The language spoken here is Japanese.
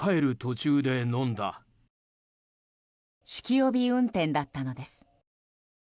酒気帯び運転だったのです。